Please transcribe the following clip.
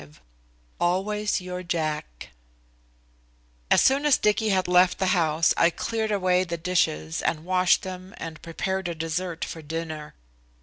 V "ALWAYS YOUR JACK" As soon as Dicky had left the house I cleared away the dishes and washed them and prepared a dessert for dinner.